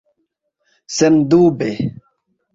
sendube